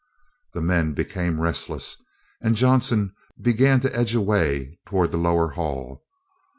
The men became restless, and Johnson began to edge away toward the lower hall.